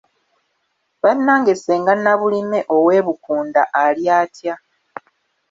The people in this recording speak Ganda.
Bannange Ssenga Nabulime ow'e Bukunda ali atya?